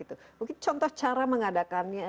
mungkin contoh cara mengadakannya